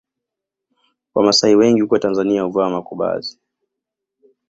Wamasai wengi huko Tanzania huvaa makubazi